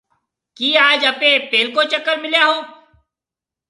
ڪِي آج آپيَ پيلڪو چڪر مليا هون؟